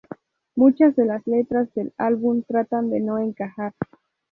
Muchas de las letras del álbum tratan de no encajar.